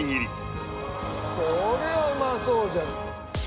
これはうまそうじゃん。